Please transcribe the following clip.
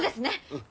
うん。